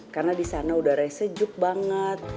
karena disana udara sejuk banget